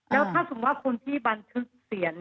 แล้วถ้าสมมุติว่าคนที่บันทึกเสียง